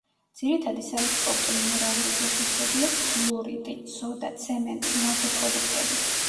ძირითადი საექსპორტო მინერალური რესურსებია ფლუორიტი, სოდა, ცემენტი, ნავთობპროდუქტები.